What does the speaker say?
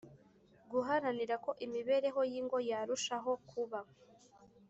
Guharanira ko imibereyo y ingo yarushaho kuba